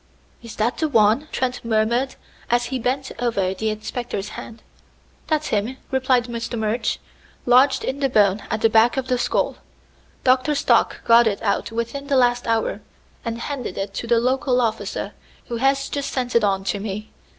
"Is that the one?" Trent murmured as he bent over the inspector's hand. "That's him," replied Mr. Murch. "Lodged in the bone at the back of the skull. Dr. Stock got it out within the last hour, and handed it to the local officer, who has just sent it on to me.